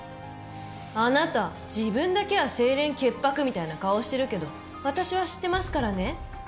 あなた自分だけは清廉潔白みたいな顔してるけど私は知ってますからね。